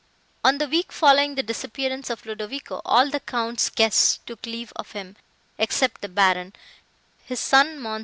On the week following the disappearance of Ludovico, all the Count's guests took leave of him, except the Baron, his son Mons.